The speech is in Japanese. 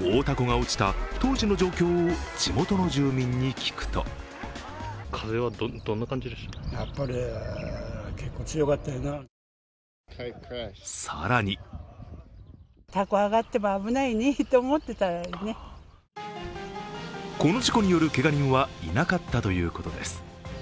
大凧が落ちた当時の状況を地元の住民に聞くと更にこの事故によるけが人はいなかったということです。